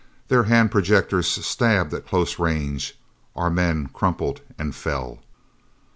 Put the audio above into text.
Their hand projectors stabbed at close range. Our men crumpled and fell....